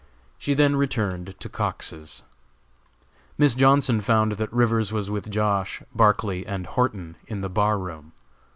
She then returned to Cox's. Miss Johnson found that Rivers was with Josh., Barclay and Horton, in the bar room.